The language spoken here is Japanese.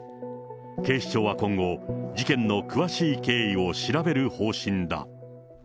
警視庁は今後、事件の詳しい経緯を調べる方針だ。